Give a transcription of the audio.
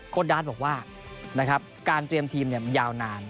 ดาร์ดบอกว่าการเตรียมทีมยาวนาน